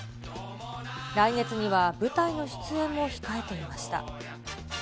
来月には舞台の出演も控えていました。